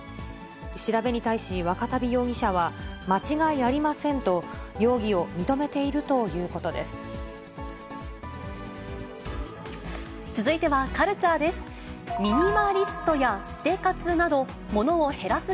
調べに対し、若旅容疑者は、間違いありませんと、容疑を認めているということ続いてはカルチャーです。